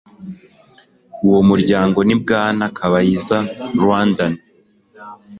uwo muryango ni bwana kabayiza rwandan